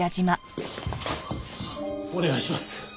お願いします。